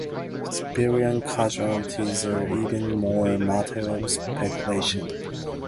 Civilian casualties are even more a matter of speculation.